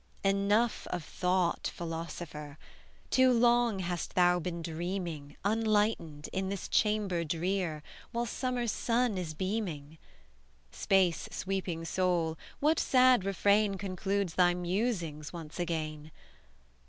Enough of thought, philosopher! Too long hast thou been dreaming Unlightened, in this chamber drear, While summer's sun is beaming! Space sweeping soul, what sad refrain Concludes thy musings once again?